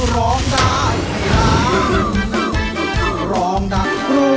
ร้องด้ายร้องด้าย